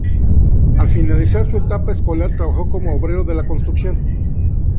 Al finalizar su etapa escolar, trabajó como obrero de la construcción.